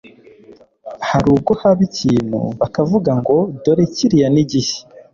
hari ubwo haba ikintu bakavuga ngo dore kiriya ni gishya